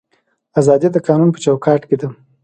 ازادي د قانون په چوکاټ کې ده